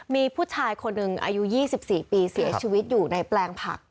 มีผู้ชายคนหนึ่งอายุ๒๔ปีเสียชีวิตอยู่ในแปลงผัก